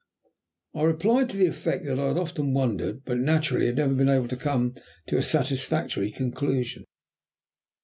I replied to the effect that I had often wondered, but naturally had never been able to come to a satisfactory conclusion.